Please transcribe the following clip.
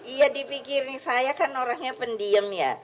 iya dipikirin saya kan orangnya pendiem ya